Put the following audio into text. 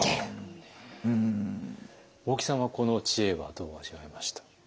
大木さんはこの知恵はどう味わいました？